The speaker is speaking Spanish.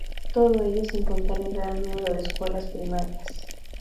Todo ello sin contar el gran número de escuelas primarias.